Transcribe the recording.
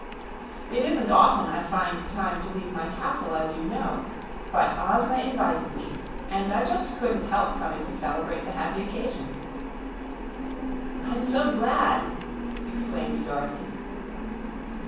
"It isn't often I find time to leave my castle, as you know; but Ozma invited me and I just couldn't help coming to celebrate the happy occasion." "I'm so glad!" exclaimed Dorothy.